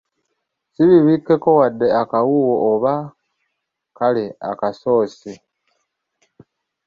Si bibikekko wadde akawuuwo oba kale akasoosi!